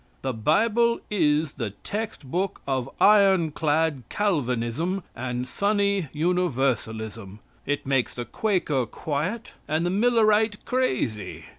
The Bible is the text book of ironclad Calvinism and sunny Universalism. It makes the Quaker quiet and the Millerite crazy.